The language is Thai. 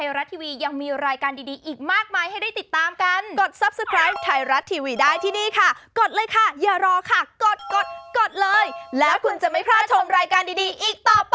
เออไว้รอในอนาคตอาจจะมี